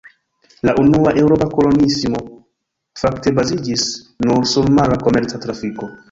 La unua eŭropa koloniismo fakte baziĝis nur sur mara komerca trafiko.